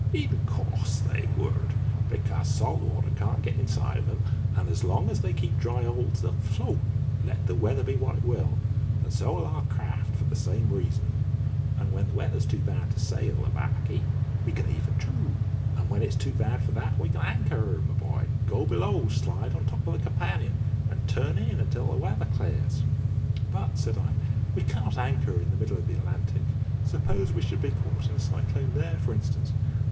In course they would, because salt water can't get inside of 'em, and as long as they keep dry holds they'll float, let the weather be what it will, and so 'll our craft, for the same reason. And when the weather's too bad to sail the barkie, we can heave her to, and when it's too bad for that we can anchor her, my boy, go below, slide on the top of the companion, and turn in until the weather clears." "But," said I, "we cannot anchor in the middle of the Atlantic. Suppose we should be caught in a cyclone there, for instance?"